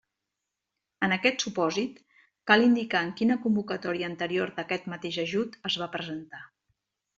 En aquest supòsit, cal indicar en quina convocatòria anterior d'aquest mateix ajut es va presentar.